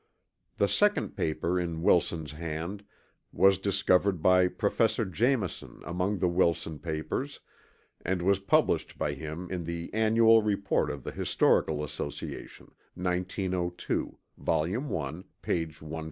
The second paper in Wilson's hand was discovered by Professor Jameson among the Wilson papers, and was published by him in the Annual Report of the Historical Association, 1902, Vol. I., p. 151.